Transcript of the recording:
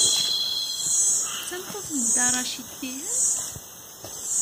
D tameṭṭut n Dda Racid, tihin?